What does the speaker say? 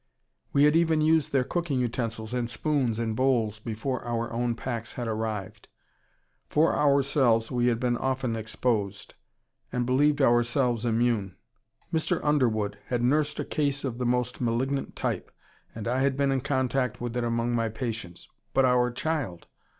We had even used their cooking utensils and spoons and bowls before our own packs had arrived. For ourselves we had been often exposed, and believed ourselves immune. Mr. Underwood had nursed a case of the most malignant type, and I had been in contact with it among my patients, but our child!